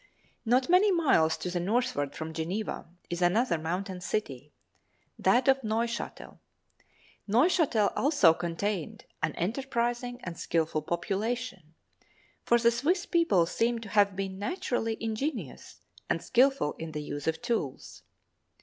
Not many miles to the northward from Geneva is another mountain city—that of Neuchatel. Neuchatel also contained an enterprising and skilful population, for the Swiss people seem to have been naturally ingenious and skilful in the use of tools.